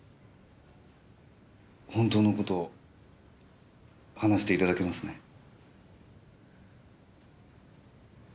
本当の事を話していただけますね。